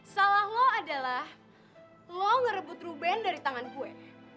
salah lo adalah lo ngerebut ruben dari tangan gue